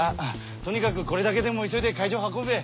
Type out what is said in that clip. とにかくこれだけでも急いで会場運ぶべ。